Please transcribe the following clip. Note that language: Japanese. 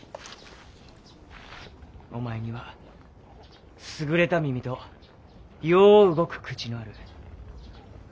お前には優れた耳とよう動く口のある。